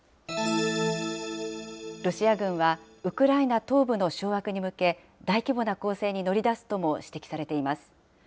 ロシア軍は、ウクライナ東部の掌握に向け、大規模攻勢に乗り出すとも指摘されています。